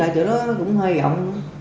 chỗ đó cũng hơi rộng